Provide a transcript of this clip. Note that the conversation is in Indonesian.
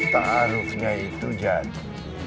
taruhnya itu jadi